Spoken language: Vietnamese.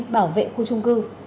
bảo vệ khu trung cư